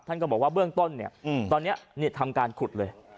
ก็บอกว่าเบื้องต้นเนี่ยตอนนี้ทำการขุดเลย